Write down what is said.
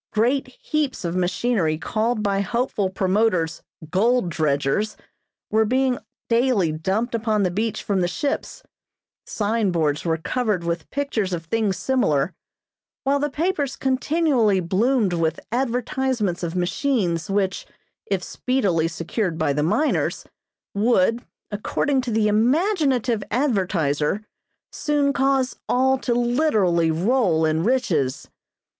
Great heaps of machinery called by hopeful promoters "gold dredgers" were being daily dumped upon the beach from the ships, signboards were covered with pictures of things similar, while the papers continually bloomed with advertisements of machines, which, if speedily secured by the miners, would, according to the imaginative advertiser, soon cause all to literally roll in riches.